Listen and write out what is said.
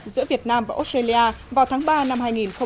giữa việt nam và australia vào tháng ba năm hai nghìn một mươi tám